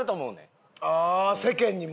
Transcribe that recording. ああ世間にも？